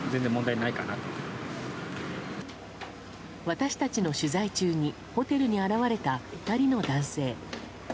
私たちの取材中にホテルに現れた２人の男性。